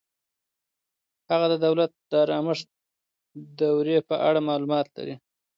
هغه د دولت د آرامښت دورې په اړه معلومات لري.